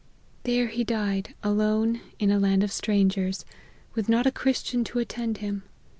There he died, alone, in a land of strangers, with not a Christian to attend him.